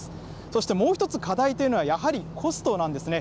そしてもう一つ課題というのは、やはりコストなんですね。